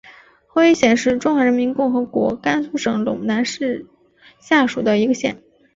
徽县是中华人民共和国甘肃省陇南市下属的一个县。